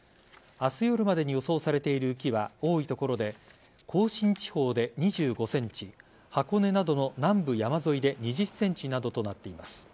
明日夜までに予想されている雪は多い所で甲信地方で２５ｃｍ箱根などの南部山沿いで２０ｃｍなどとなっています。